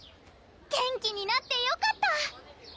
元気になってよかった！